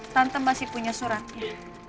tante masih punya suratnya